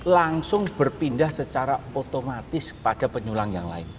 langsung berpindah secara otomatis kepada penyulang yang lain